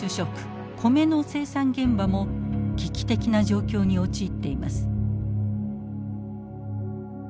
現場も危機的な状況に陥っています。